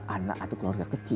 anak atau keluarga kecil